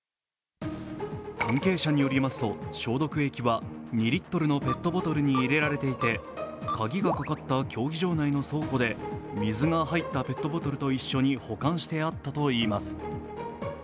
関係者によりますと消毒液は２リットルのペットボトルに入れられていて鍵がかかった競技場内で保管され水が入ったペットボトルと一緒に保管してあったといいます。